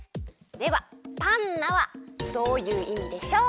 ではパンナはどういういみでしょう？